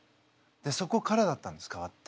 そこからだったんです変わって。